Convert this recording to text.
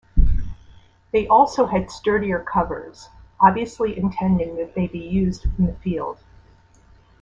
They also had sturdier covers, obviously intending that they be used in the field.